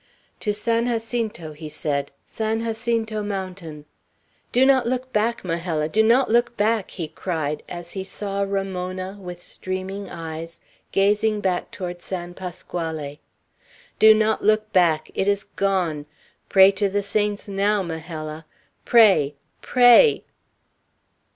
"To San Jacinto," he said. "San Jacinto Mountain. Do not look back, Majella! Do not look back!" he cried, as he saw Ramona, with streaming eyes, gazing back towards San Pasquale. "Do not look back! It is gone! Pray to the saints now, Majella! Pray! Pray!"